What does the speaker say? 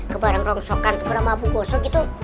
kebarang rongsokan tuh beramah bukosok gitu